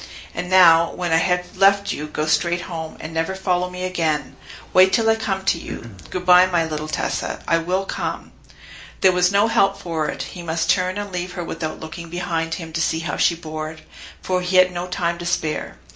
And now, when I have left you, go straight home, and never follow me again. Wait till I come to you. Good bye, my little Tessa: I will come." There was no help for it; he must turn and leave her without looking behind him to see how she bore it, for he had no time to spare.